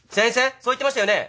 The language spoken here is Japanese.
そう言ってましたよね？